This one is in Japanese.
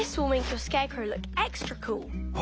あ！